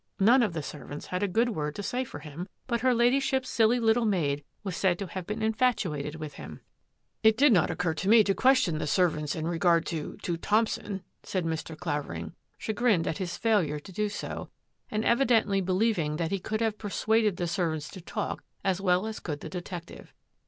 None of the servants had a good word to say for him, but her Ladyship's silly little maid was said to have been infatuated with him.'* 935 236 THAT AFFAIR AT THE MANOR " It did not occur to me to question the serv ants in regard to — to Thompson," said Mr. Clavering, chagrined at his failure to do so and evidently believing that he could have persuadj^d the servants to talk as well as could the detective.